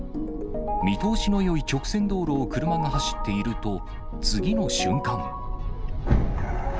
見通しのよい直線道路を車が走っていると、次の瞬間。